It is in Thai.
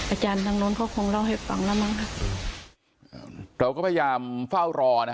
อาจารย์ทางโน้นเขาคงเล่าให้ฟังแล้วมั้งค่ะเราก็พยายามเฝ้ารอนะฮะ